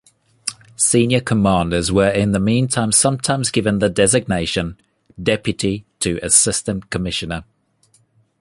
Senior commanders were in the meantime sometimes given the designation "deputy to assistant commissioner".